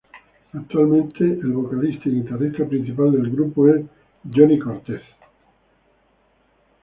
Actualmente el vocalista y guitarrista principal del grupo es Johnny Cortez.